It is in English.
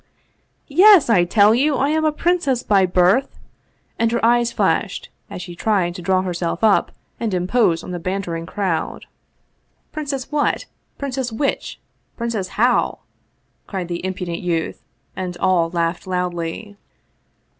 " Yes, I tell you, I am a princess by birth !" and her eyes flashed as she tried to draw herself up and impose on the bantering crowd. 212 Vsevolod Vladimirovitch Krestovski "Princess What? Princess Which? Princess How?" cried the impudent youth, and all laughed loudly.